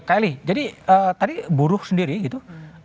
kay ali jadi tadi buruh sendiri gitu